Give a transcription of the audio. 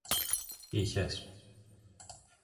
Είχες;